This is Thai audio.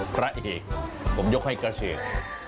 พระเอกผมยกให้กระเชษ